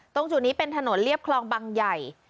ตรงจุดนี้เป็นถนนเรียบคลองบังใหญ่